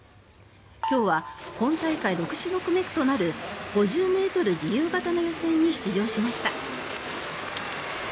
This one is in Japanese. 今日は今大会６種目目となる５０ｍ自由形の予選に出場しました。